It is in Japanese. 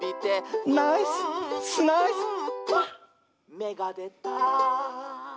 「めがでた！」